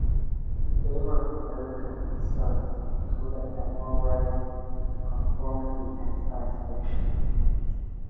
Favoured lyrical concerns included animal rights, conformity and science fiction.